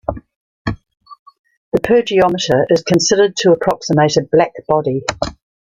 The pyrgeometer is considered to approximate a black body.